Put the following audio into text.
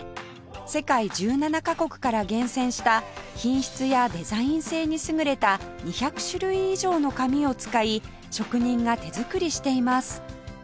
世界１７カ国から厳選した品質やデザイン性に優れた２００種類以上の紙を使い職人が手作りしています